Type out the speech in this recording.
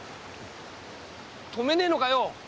とめないのかよ